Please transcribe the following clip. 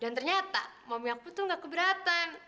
dan ternyata mami yaku' tuh tidak keberatan